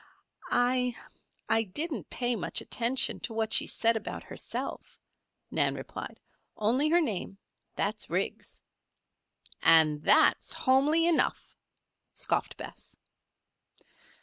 "I I did not pay much attention to what she said about herself," Nan replied. "Only her name. That's Riggs." "And that's homely enough," scoffed Bess.